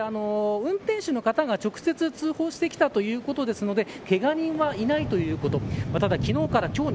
ただ、市によりますと運転手の方が直接通報してきたということですのでけが人はいないということ。